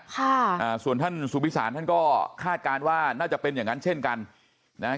ค่ะอ่าส่วนท่านสุพิสารท่านก็คาดการณ์ว่าน่าจะเป็นอย่างงั้นเช่นกันนะฮะ